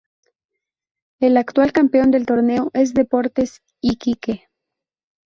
El actual campeón del torneo es Deportes Iquique.